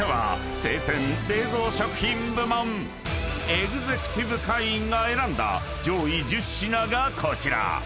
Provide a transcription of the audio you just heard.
［エグゼクティブ会員が選んだ上位１０品がこちら］